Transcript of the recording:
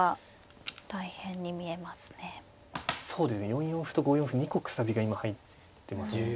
４四歩と５四歩２個くさびが今入ってますよね。